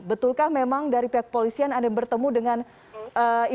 betulkah memang dari pihak polisian ada yang menerima alat bukti